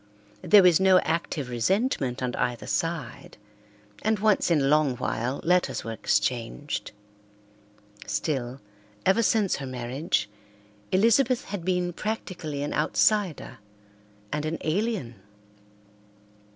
There was no active resentment on either side, and once in a long while letters were exchanged. Still, ever since her marriage, Elizabeth had been practically an outsider and an alien.